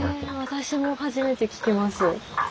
私も初めて聞きます。